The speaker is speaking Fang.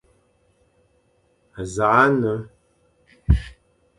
Nẑakh nne,